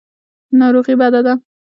ناروغي بده ده.